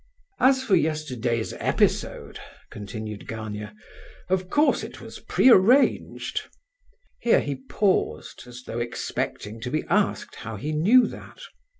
"As for yesterday's episode," continued Gania, "of course it was pre arranged." Here he paused, as though expecting to be asked how he knew that.